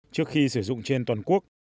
trước khi sử dụng trên toàn quốc